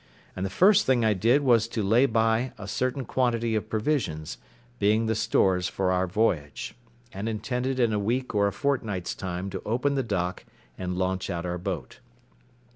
And the first thing I did was to lay by a certain quantity of provisions, being the stores for our voyage; and intended in a week or a fortnight's time to open the dock, and launch out our boat.